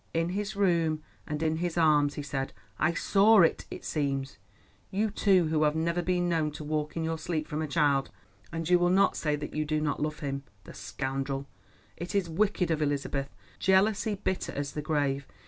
"In his room and in his arms," he said. "I saw it, it seems. You, too, who have never been known to walk in your sleep from a child; and you will not say that you do not love him—the scoundrel. It is wicked of Elizabeth—jealousy bitter as the grave.